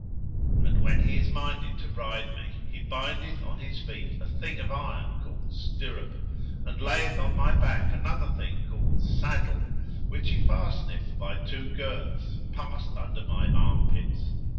And when he is minded to ride me, he bindeth on his feet a thing of iron called Stirrup[FN#138] and layeth on my back another thing called Saddle, which he fasteneth by two Girths passed under my armpits.